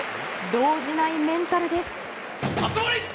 動じないメンタルです。